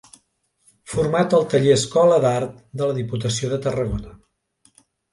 Format al Taller-Escola d'Art de la Diputació de Tarragona.